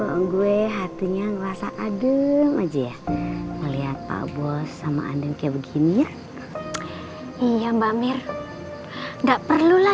ogre hadirnya merasa adem aja ya melihat aaron bios mama andeng kayak begini ya